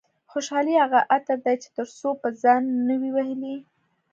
خوشحالي هغه عطر دي چې تر څو پر ځان نه وي وهلي.